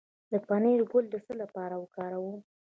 د پنیرک ګل د څه لپاره وکاروم؟